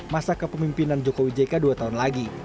masa kepemimpinan jokowi jk dua tahun lagi